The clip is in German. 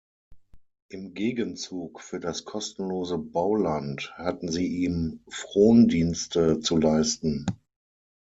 Im Gegenzug für das kostenlose Bauland hatten sie ihm Frondienste zu leisten.